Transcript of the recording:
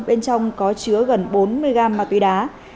bên trong có chứa gần bốn mươi gram ma túy đá